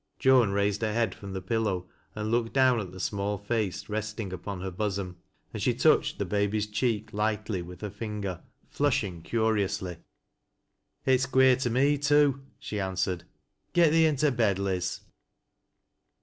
Joan raised her head from the pillow and looked down at the small face resting upon her bosom, and she touched the baby's cheek lightly with her finger, flushing curi ously. " It's queer to me too," she answered. " Get thee into bed, Liz."